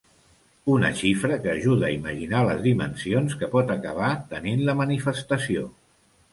Una xifra que ajuda a imaginar les dimensions que pot acabar tenint la manifestació.